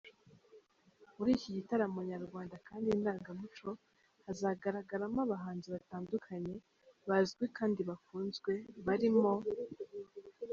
Muri iki gitaramo nyarwanda kandi ndangamuco, hazagaragaramo abahanzi batandukanye, bazwi kandi bakunzwe, barimo:.